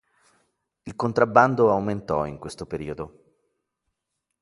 Il contrabbando aumentò in questo periodo.